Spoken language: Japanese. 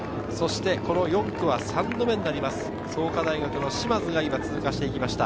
４区は３度目になります、創価大学の嶋津が通過していきました。